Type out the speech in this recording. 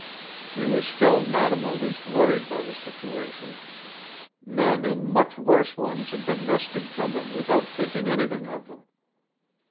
He was still not in the least worried by the situation. Men in much worse ones had been rescued from them without thinking anything of them.